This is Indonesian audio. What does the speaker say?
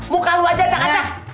muka lu aja cak cak